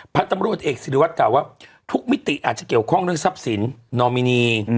พันธุ์ตำรวจเอกศิริวัตรกล่าวว่าทุกมิติอาจจะเกี่ยวข้องเรื่องทรัพย์สินนอมินี